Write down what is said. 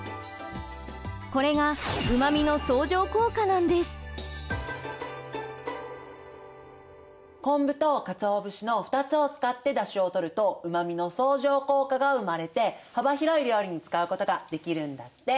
これが昆布とかつお節の２つを使ってだしをとるとうまみの相乗効果が生まれて幅広い料理に使うことができるんだって。